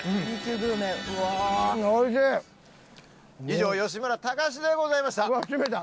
以上吉村崇でございました。